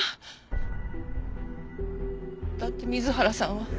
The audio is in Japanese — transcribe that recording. だって水原さんは。